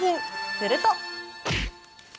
すると。